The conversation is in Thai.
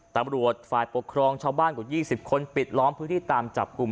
ตำรวจฝ่ายปกครองชาวบ้านกว่า๒๐คนปิดล้อมพื้นที่ตามจับกลุ่ม